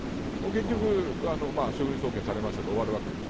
結局、書類送検されましたで終わるわけです。